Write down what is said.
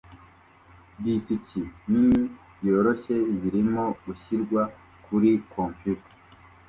Disiki nini yoroshye zirimo gushyirwa kuri computa